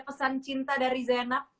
pesan cinta dari zenab